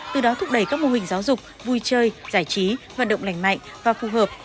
từ đó thúc đẩy các mô hình giáo dục vui chơi giải trí vận động lành mạnh và phù hợp